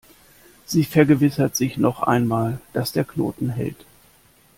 Sie vergewissert sich noch einmal, dass der Knoten hält.